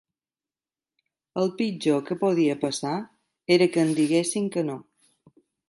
El pitjor que podia passar era que em diguessin que no.